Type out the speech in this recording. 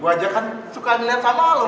gue aja kan suka ngeliat sama lo